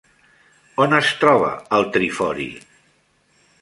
On es troba el trifori?